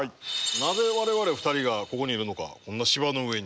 なぜ我々２人がここにいるのかこんな芝の上に。